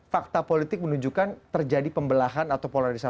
fakta politik menunjukkan terjadi pembelahan atau polarisasi